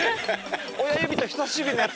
親指と人さし指のやつ！